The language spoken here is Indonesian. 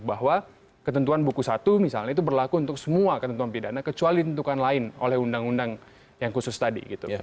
bahwa ketentuan buku satu misalnya itu berlaku untuk semua ketentuan pidana kecuali ditentukan lain oleh undang undang yang khusus tadi gitu